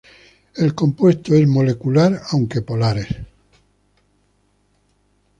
El compuesto es molecular, aunque polares.